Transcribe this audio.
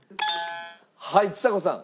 はいちさ子さん。